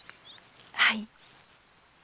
はい。